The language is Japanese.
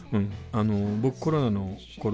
僕コロナのころ